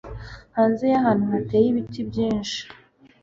hanze y'ahantu hateye ibiti byinshi